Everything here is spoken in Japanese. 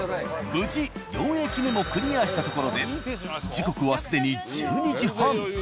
無事４駅目もクリアしたところで時刻は既に１２時半。